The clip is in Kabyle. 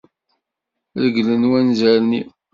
Reglen wanzaren-iw.